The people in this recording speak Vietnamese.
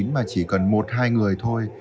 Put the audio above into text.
mà chỉ cần một hai người thôi